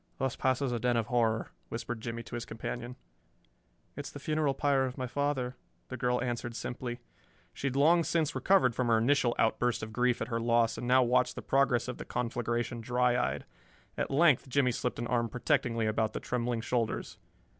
"Thus passes a den of horror," whispered Jimmie to his companion. "It is the funeral pyre of my father," the girl answered simply. She had long since recovered from her initial outburst of grief at her loss, and now watched the progress of the conflagration dry eyed. At length Jimmie slipped an arm protectingly about the trembling shoulders.